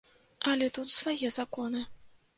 Але тут свае законы.